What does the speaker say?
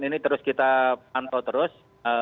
ini terus kita pantau terus